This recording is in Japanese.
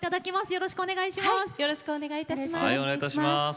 よろしくお願いします。